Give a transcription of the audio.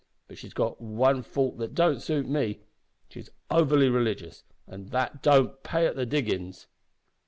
But she's got one fault that don't suit me. She's overly religious an' that don't pay at the diggin's."